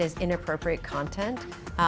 jadi apa saja konten yang tidak sesuai